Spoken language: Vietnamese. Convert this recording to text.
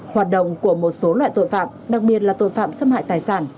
hoạt động của một số loại tội phạm đặc biệt là tội phạm xâm hại tài sản